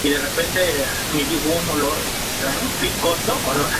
Aunque Vladislao respaldaba el matrimonio, fue impedido por el "Sejm".